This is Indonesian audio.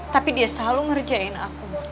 tapi dia selalu ngerjain aku